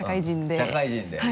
社会人で。